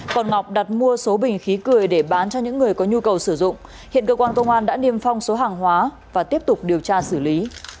còn ngọc đặt mua số bình khí cười để bán cho những người có nhu cầu sử dụng hiện cơ quan công an đã niêm phong số hàng hóa và tiếp tục điều tra xử lý